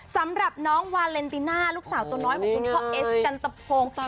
สำหรับน้องวาเลนติน่าลูกสาวตัวน้อยของคุณพ่อเอสกันตะพง